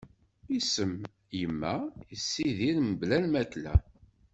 Isem "yimma", yessidir mebla lmakla.